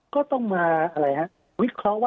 ก็ต้องมาอะไรฮะ